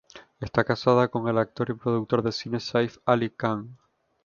Está casada con el actor y productor de cine Saif Ali Khan.